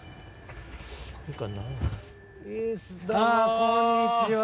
こんにちは。